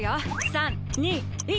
３２１。